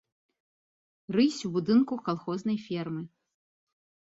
Рысь у будынку калхознай фермы.